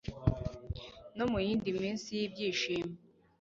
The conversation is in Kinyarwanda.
no mu yindi minsi y'ibyishimo